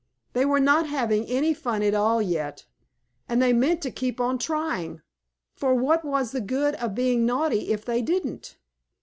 They were not having any fun at all yet, and they meant to keep on trying, for what was the good of being naughty if they didn't?